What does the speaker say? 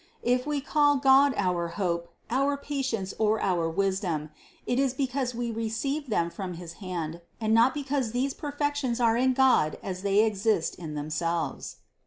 If we call God our hope, our patience, or our wisdom, it is because we receive them from his hand, and not because these perfections are in God as they exist in ourselves.